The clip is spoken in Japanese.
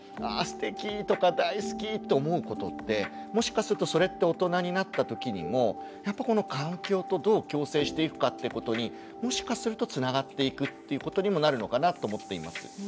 すてきとか大好きと思うことってもしかするとそれって大人になったときにもやっぱこの環境とどう共生していくかってことにもしかするとつながっていくっていうことにもなるのかなと思っています。